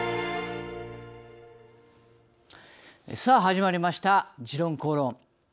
さあ始まりました「時論公論」。